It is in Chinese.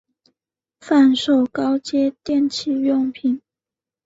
贩售高阶电器用品